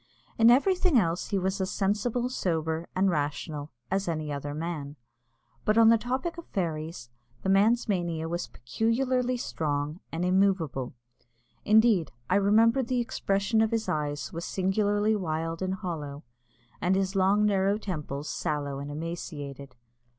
In everything else he was as sensible, sober, and rational as any other man; but on the topic of fairies, the man's mania was peculiarly strong and immovable. Indeed, I remember that the expression of his eyes was singularly wild and hollow, and his long narrow temples sallow and emaciated.